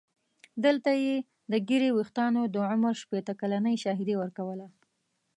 دلته یې د ږیرې ویښتانو د عمر شپېته کلنۍ شاهدي ورکوله.